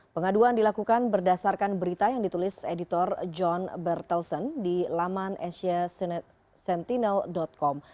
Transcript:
pengaduan dilakukan berdasarkan berita yang ditulis editor john bertelsen di laman asia sentinel com